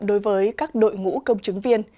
đối với các đội ngũ công chứng viên